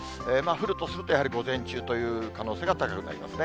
降るとするとやはり午前中という可能性が高くなりますね。